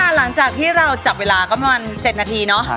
หลังจากที่เราจับเวลาก็ประมาณ๗นาทีเนาะ